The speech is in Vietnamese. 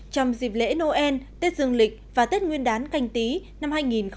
chăm dịp lễ noel tết dương lịch và tết nguyên đán canh tý năm hai nghìn hai mươi